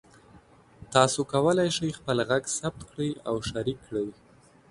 تاسو کولی شئ خپل غږ ثبت کړئ او شریک کړئ.